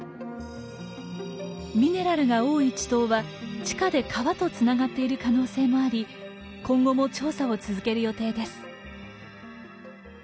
ミネラルが多い池溏は地下で川とつながっている可能性もあり今後も調査を続ける予定です。